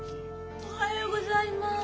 おはようございます。